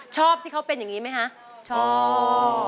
ชอบที่เขาเป็นยังไงมั้ยน่ารัก